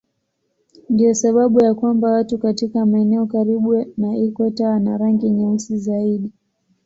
Ndiyo sababu ya kwamba watu katika maeneo karibu na ikweta wana rangi nyeusi zaidi.